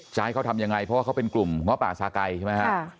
จะให้เขาทำยังไงเพราะว่าเขาเป็นกลุ่มง้อป่าสาไก่ใช่ไหมฮะ